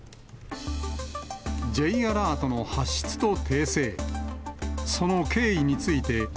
Ｊアラートの発出と訂正。